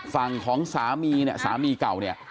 ฝั่งของสามีเก่า